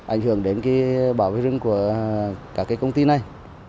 ảnh hưởng đến bảo vệ rừng của các công ty này